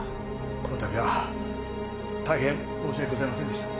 この度は大変申し訳ございませんでした。